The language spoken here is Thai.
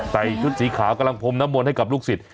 ชุดสีขาวกำลังพรมน้ำมนต์ให้กับลูกศิษย